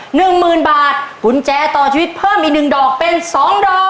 หนึ่งหมื่นบาทกุญแจต่อชีวิตเพิ่มอีกหนึ่งดอกเป็นสองดอก